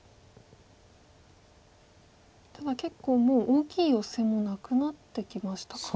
ただ結構もう大きいヨセもなくなってきましたか？